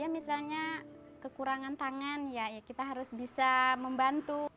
misalnya kekurangan tangan ya kita harus bisa membantu